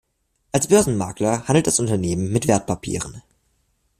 Als Börsenmakler handelt das Unternehmen mit Wertpapieren.